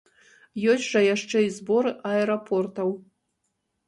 Ёсць жа яшчэ і зборы аэрапортаў.